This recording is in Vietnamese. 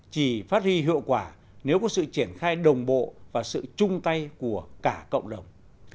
chỉ phát huy hiệu quả nếu có sự triển khai đồng bộ và sự chung tay của cả cộng đồng